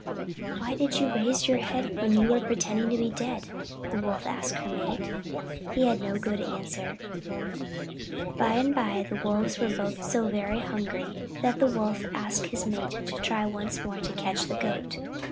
"Why did you raise your head when you were pretending to be dead?" the Wolf asked her mate. He had no good answer. By and by the Wolves were both so very hungry that the Wolf asked his mate to try once more to catch the Goat.